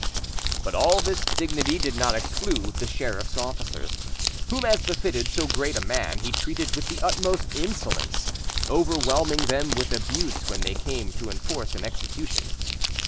But all this dignity did not exclude the sheriff's officers, whom, as befitted so great a man, he treated with the utmost insolence, overwhelming them with abuse when they came to enforce an execution.